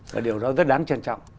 và điều đó rất đáng trân trọng